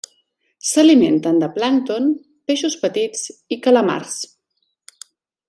S'alimenten de plàncton, peixos petits i calamars.